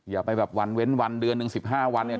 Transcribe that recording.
อย่าไปแบบวันเว้นวันเดือนหนึ่งสิบห้าวัน